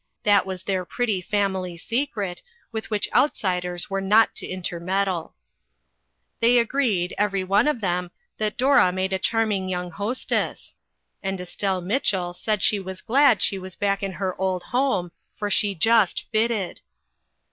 That was their pretty family secret, with which outsiders were not to intermeddle. They agreed, every one of them, that Dora made a charming young hostess, and Estelle Mitchell said she was glad she was back in her old home, for she just fitted.